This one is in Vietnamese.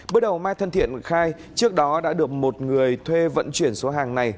bước đầu mai thân thiện khai trước đó đã được một người thuê vận chuyển số hàng này